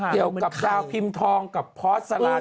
เกี่ยวกับดาวพิมทรรพ์ทองกับพอทซ้าลันด์